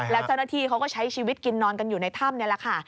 แล้วเจ้าหน้าที่เขาก็ใช้ชีวิตกินนอนกันอยู่ในถ้ำนี่แหละค่ะ